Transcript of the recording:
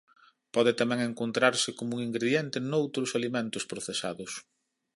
Pode tamén encontrarse como un ingrediente noutros alimentos procesados.